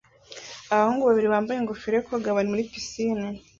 Abahungu babiri bambaye ingofero yo koga bari muri pisine